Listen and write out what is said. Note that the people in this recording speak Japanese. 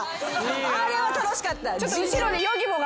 あれは楽しかった。